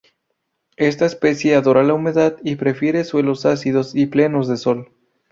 Esta especie adora la humedad y prefiere suelos ácidos y plenos de sol.